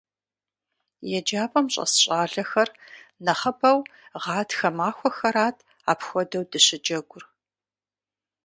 ЕджапӀэм щӏэс щӀалэхэр нэхъыбэу гъатхэ махуэхэрат апхуэдэу дыщыджэгур.